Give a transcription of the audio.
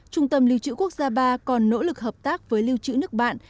trung tâm lưu trữ quốc gia ba còn nỗ lực hợp tác với lưu trữ nước bạn